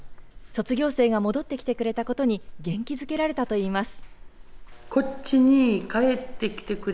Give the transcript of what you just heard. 卒業生が戻ってきてくれたことに、元気づけられたといいます。